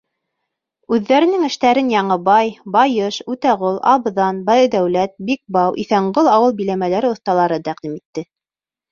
Үҙҙәренең эштәрен Яңыбай, Байыш, Үтәғол, Абҙан, Байдәүләт, Бикбау, Иҫәнғол ауыл биләмәләре оҫталары тәҡдим итте.